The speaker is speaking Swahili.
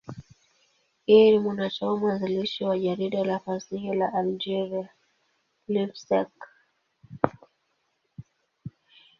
Yeye ni mwanachama mwanzilishi wa jarida la fasihi la Algeria, L'Ivrescq.